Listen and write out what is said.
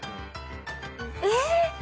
えっ！？